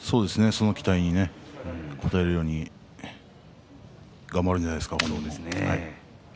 その期待に応えるように頑張るんじゃないですか。